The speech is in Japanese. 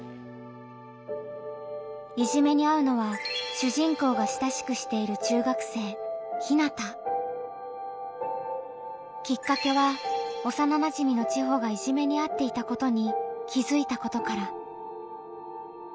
いじめにあうのは主人公が親しくしている中学生きっかけはおさななじみのちほがいじめにあっていたことに気づいたことから。